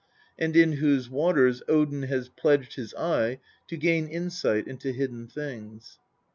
and in whose waters Odin has pledged his eye to gain insight into hidden things.